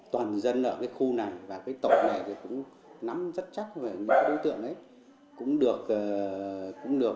toàn dân ở cái khu này và cái tổ này cũng nắm rất chắc về những đối tượng đấy